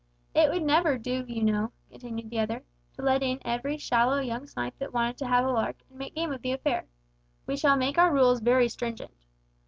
"It would never do, you know," continued the other, "to let in every shallow young snipe that wanted to have a lark, and make game of the affair. We will make our rules very stringent."